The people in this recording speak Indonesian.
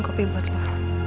kopi buat lo